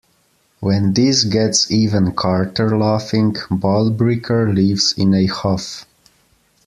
When this gets even Carter laughing, Balbricker leaves in a huff.